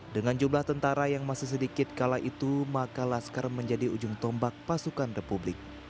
dengan jumlah tentara yang masih sedikit kala itu maka laskar menjadi ujung tombak pasukan republik